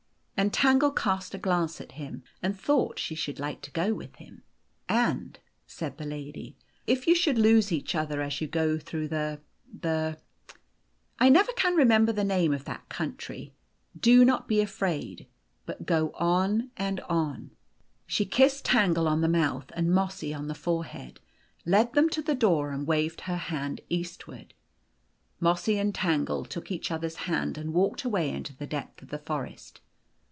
And Tangle cast a glance at him, and thought she should like to go with him. The Golden Key Ami." said the lady, " it' you should lose each other as \ ou go through tlu the I never can remember the name of that country, do not be afraid, but i:'o on and on." She kissed Tangle on the mouth and Mossy on tin forehead, led them to the door, and \vaved her hand eastward. Mossy and Tangle took each other's hand / and walked away into the depth of the forest.